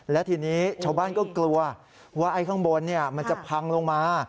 และทีนี้ชาวบ้านก็กลัวว่าไอ้ข้างบนมันจะพังลงมา